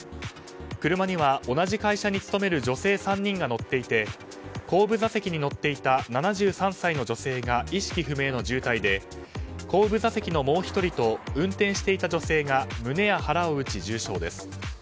車には同じ会社に勤める女性３人が乗っていて後部座席に乗っていた７３歳の女性が意識不明の重体で後部座席のもう１人と運転していた女性が胸や腹を打ち重傷です。